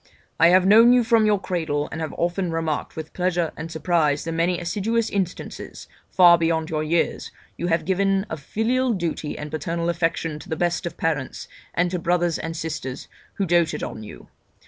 I have known you from your cradle, and have often marked with pleasure and surprise the many assiduous instances (far beyond your years) you have given of filial duty and paternal affection to the best of parents, and to brothers and sisters who doated on you.